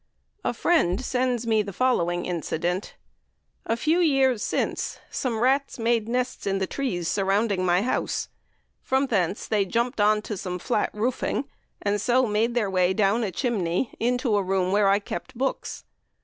A friend sends me the following incident: "A few years since, some rats made nests in the trees surrounding my house; from thence they jumped on to some flat roofing, and so made their way down a chimney into a room where I kept books.